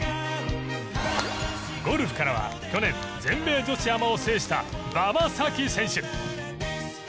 ゴルフからは去年全米女子アマを制した馬場咲希選手。